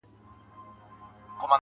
د ښكلي سولي يوه غوښتنه وكړو~